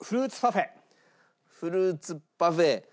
フルーツパフェ。